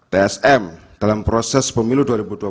tsm dalam proses pemilu dua ribu dua puluh